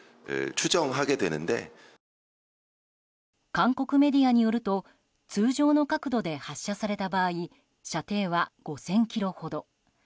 韓国メディアによると通常の角度で発射された場合射程は５０００ｋｍほど。